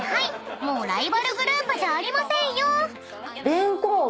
もうライバルグループじゃありませんよ］